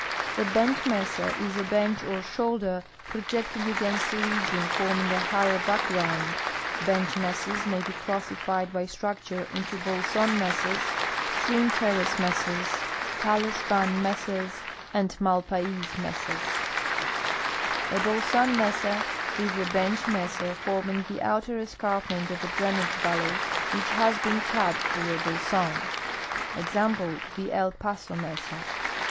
The bench mesa is a bench or shoulder projecting against a region forming a higher background. Bench mesas may be classified by structure into bolson mesas, stream terrace mesas, talus fan TOPOGRAPHIC TERMS OF SPANISH AMERICA 295 mesas, and malpais mesas. A bolson mesa is a bench mesa form ing the outer escarpment of a drainage valley v'hicb has l>een cut through a bolson. Example, the El Paso mesa.